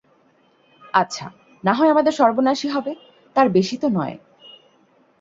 আচ্ছা, নাহয় আমাদের সর্বনাশই হবে, তার বেশি তো নয়?